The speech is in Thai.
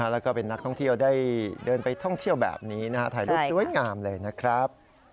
แล้วก็เป็นนักท่องเที่ยวได้เดินไปท่องเที่ยวแบบนี้ถ่ายรูปสวยงามเลยนะครับ